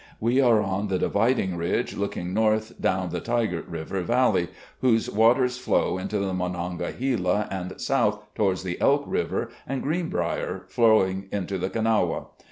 We are on the dividing ridge looking north down the Tygart's river valley, whose waters flow into the Monongahela and South towards the Elk River and Greenbrier, flowing into the Kanawha.